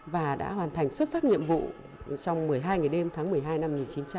và đã hoàn thành xuất sắc nhiệm vụ trong một mươi hai ngày đêm tháng một mươi hai năm một nghìn chín trăm bảy mươi